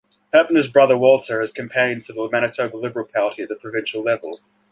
Hoeppner's brother Walter has campaigned for the Manitoba Liberal Party at the provincial level.